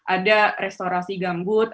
ada restorasi gambut